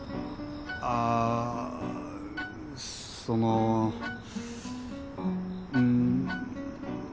あそのうん。